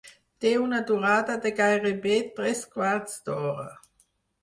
Té una durada de gairebé tres quarts d'hora.